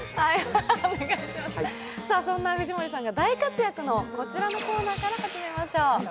そんな藤森さんが大活躍のこちらのコーナーから始めましょう。